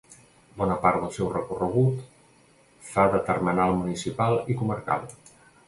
Bona part del seu recorregut fa de termenal municipal i comarcal.